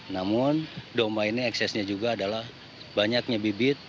namun doma ini eksesnya juga adalah banyaknya bibit